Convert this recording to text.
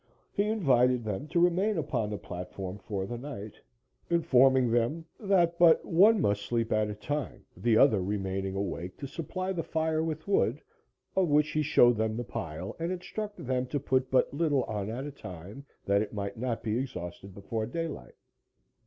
He invited them to remain upon the platform for the night, informing them that but one must sleep at a time, the other remaining awake to supply the fire with wood, of which he showed them the pile and instructed them to put but little on at a time, that it might not be exhausted before daylight.